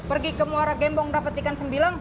pergi ke muara gembong dapet ikan sembilang